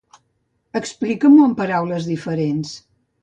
Explica-m'ho amb paraules diferents.